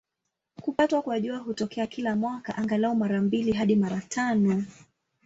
Kupatwa kwa Jua hutokea kila mwaka, angalau mara mbili hadi mara tano.